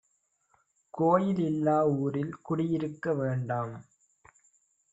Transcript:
கோயில் இல்லா ஊரில் குடி இருக்க வேண்டாம்